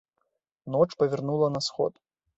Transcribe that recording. Ноч павярнула на сход.